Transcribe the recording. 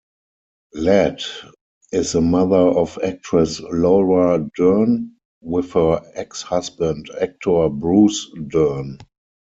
Ladd is the mother of actress Laura Dern, with her ex-husband, actor Bruce Dern.